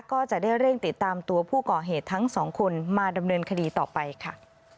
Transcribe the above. ก็จะได้เร่งติดตามตัวผู้ก่อเหตุทั้งสองคนมาดำเนินคดีต่อไปค่ะ